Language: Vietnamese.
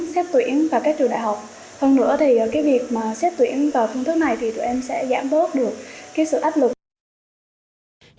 xét tuyển vào phương thức này thì tụi em sẽ giảm bớt được cái sự áp lực